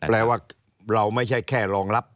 แปลว่าเราไม่ใช่แค่รองรับ